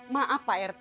maaf pak rt